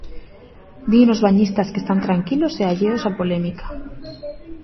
Din os bañistas que están tranquilos e alleos á polémica.